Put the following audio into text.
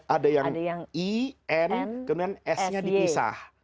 ada yang i n kemudian s nya dipisah